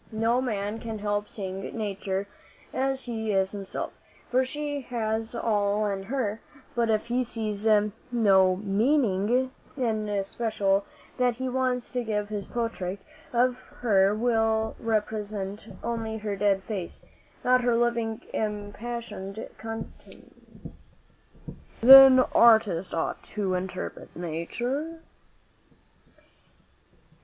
No man can help seeing nature as he is himself, for she has all in her; but if he sees no meaning in especial that he wants to give, his portrait of her will represent only her dead face, not her living impassioned countenance." "Then artists ought to interpret nature?"